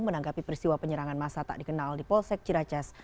menanggapi peristiwa penyerangan masa tak dikenal di polsek ciracas